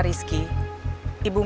ini dari ibu